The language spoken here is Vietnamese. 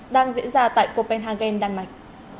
đang diễn ra tại copenhagen đan mạch